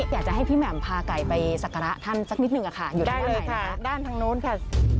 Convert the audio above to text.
อยากจะให้พี่แหม่มพาไก่ไปศักระท่านสักนิดหนึ่งค่ะ